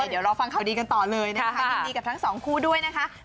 เดี๋ยวรอฟังข่าวดีกันต่อเลยนะคะยินดีกับทั้งสองคู่ด้วยนะคะ